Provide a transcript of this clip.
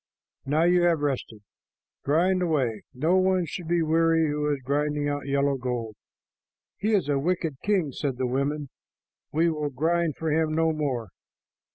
Now you have rested. Grind away. No one should be weary who is grinding out yellow gold." "He is a wicked king," said the women. "We will grind for him no more.